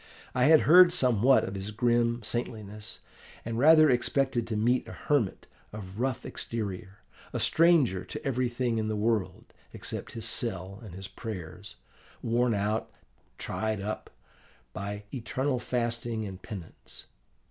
I had heard somewhat of his grim saintliness, and rather expected to meet a hermit of rough exterior, a stranger to everything in the world, except his cell and his prayers, worn out, tried up, by eternal fasting and penance.